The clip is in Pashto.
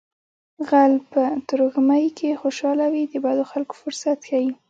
غل په ترږمۍ کې خوشحاله وي د بدو خلکو فرصت ښيي